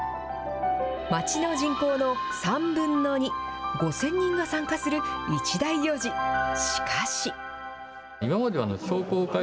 町の人口の３分の２、５０００人が参加する一大行事。